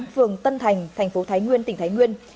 phường tân thành thành phố thái nguyên tỉnh thái nguyên